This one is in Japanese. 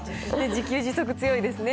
自給自足、強いですね。